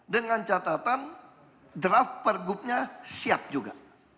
saya katakan draft pergubnya siap juga